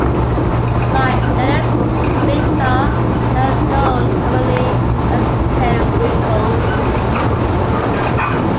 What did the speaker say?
Like genus "Vinca", they are known commonly as periwinkles.